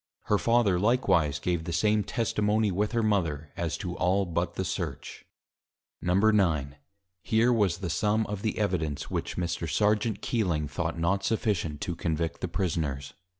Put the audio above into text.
Her Father likewise gave the same Testimony with her Mother; as to all but the Search. IX. Here was the Sum of the Evidence: Which Mr. Serjeant Keeling, thought not sufficient to Convict the Prisoners.